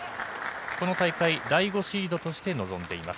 この大会、第５シードとして臨んでいます。